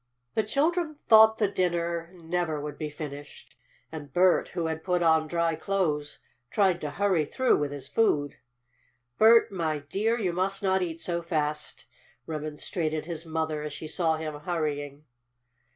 The children thought the dinner never would be finished, and Bert, who had put on dry clothes, tried to hurry through with his food. "Bert, my dear, you must not eat so fast," remonstrated his mother, as she saw him hurrying.